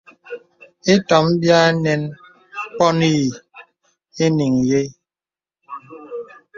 Ìtòm bì ànɛn bpɔnì ìyìŋ yə̀s.